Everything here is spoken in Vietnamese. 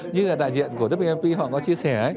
như là đại diện của dbmp họ có chia sẻ